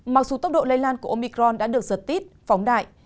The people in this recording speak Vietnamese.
mặc dù tốc độ lây lan của omicron đã được giật tít phóng đại